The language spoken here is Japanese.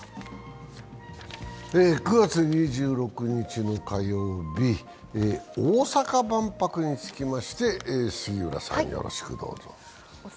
９月２６日の火曜日、大阪万博につきまして杉浦さん、よろしくどうぞ。